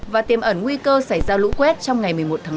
và tiêm ẩn nguy cơ xảy ra lũ quét trong ngày một mươi một tháng bảy